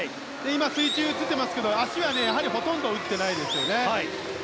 水中が映っていましたが、足はほとんど打ってないですね。